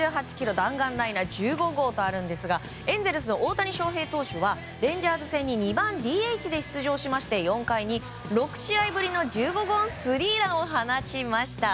弾丸ライナー１５号とあるんですがエンゼルスの大谷翔平投手がレンジャーズ戦に２番ＤＨで出場して４回に６試合ぶりの１５号スリーランを放ちました。